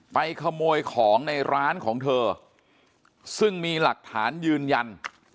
ไปขโมยของในร้านของเธอซึ่งมีหลักฐานยืนยัน